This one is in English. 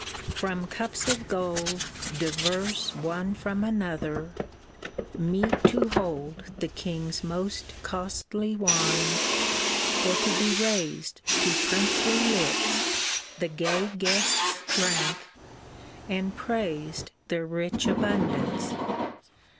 From cups of gold Diverse one from another, meet to hold The king's most costly wines, or to be raised To princely lips, the gay guests drank, and praised Tlieir rich abundance.